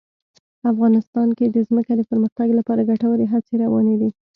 افغانستان کې د ځمکه د پرمختګ لپاره ګټورې هڅې روانې دي.